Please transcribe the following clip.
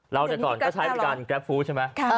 เราจะก่อนก็ใช้พืชการฝูใช่ไหม